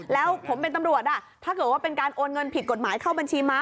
แล้วผมเป็นตำรวจถ้าเกิดว่าเป็นการโอนเงินผิดกฎหมายเข้าบัญชีม้า